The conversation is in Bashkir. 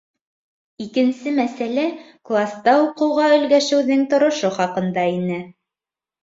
Икенсе мәсьәлә класта уҡыуға өлгәшеүҙең торошо хаҡында ине.